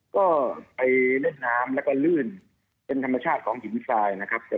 ก็ไปเล่นน้ำแล้วก็ลื่นเป็นธรรมชาติของหินทรายนะครับ